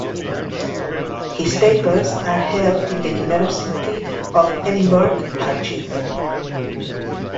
His papers are held in the University of Edinburgh Archives.